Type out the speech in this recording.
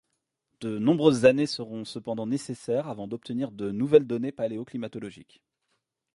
De nombreuses années seront cependant nécessaires avant d'obtenir de nouvelles données paléoclimatologiques.